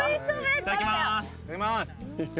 いただきます。